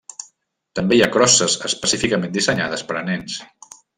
També hi ha crosses específicament dissenyades per a nens.